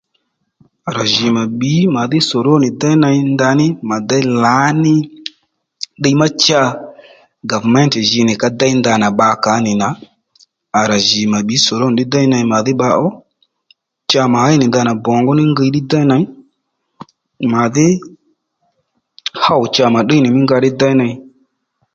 À rà jì mà bbǐy màdhí sòrónì déy ney ndaní mà déy lǎní ddiy má cha gàvméntè ji nì ka déy ndanà bbakǎ nì nà à rà jì mà bbǐy sòrónì ddí déy ney màdhí bba ó cha mà ɦéy nì ndanà bǒngú nì mí ngiy déy ney màdhí ɦôw cha mà tdíy mí nga ddí déy ney